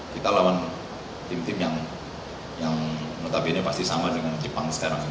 kita lawan tim tim yang notabene pasti sama dengan jepang sekarang